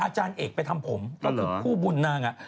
อาจารย์เอกไปทำผมก็คือคู่บุญนาง